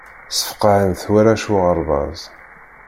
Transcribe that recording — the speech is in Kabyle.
Sfeqɛen-t warrac uɣerbaz.